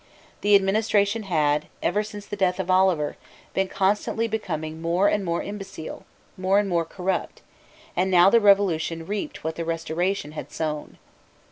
The administration had, ever since the death of Oliver, been constantly becoming more and more imbecile, more and more corrupt; and now the Revolution reaped what the Restoration had sown.